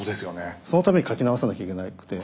そのために書き直さなきゃいけなくて。